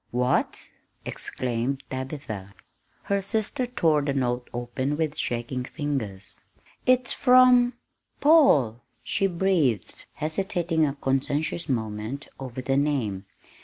"What!" exclaimed Tabitha. Her sister tore the note open with shaking fingers. "It's from Paul!" she breathed, hesitating a conscientious moment over the name.